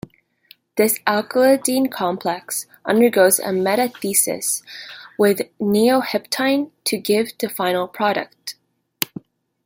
This alkylidyne complex undergoes a metathesis with neoheptyne to give the final product.